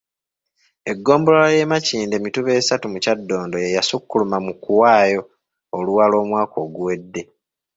Eggombolola y’e Makindye Mituba esatu mu Kyaddondo y'eyasukkuluma mu kuwaayo oluwalo omwaka oguwedde.